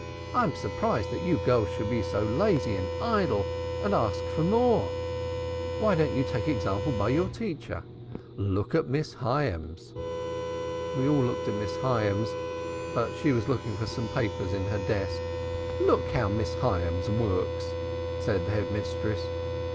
I am surprised that you girls should be so lazy and idle and ask for more. Why don't you take example by your teacher? Look at Miss Hyams." We all looked at Miss Hyams, but she was looking for some papers in her desk. 'Look how Miss Hyams works!' said the Head Mistress.